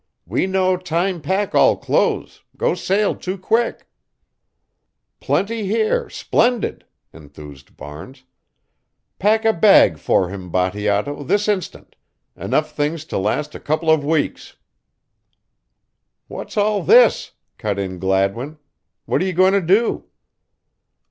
We no time pack all clothes go sail too quick." "Plenty here splendid!" enthused Barnes. "Pack a bag for him, Bateato, this instant enough things to last a couple of weeks." "What's all this?" cut in Gladwin. "What are you going to do?"